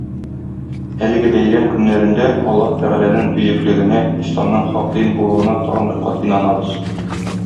Әлеге бәйрәм көннәрендә Аллаһы Тәгаләнең бөеклегенә, Исламның хак дин булуына тагын бер кат инанабыз.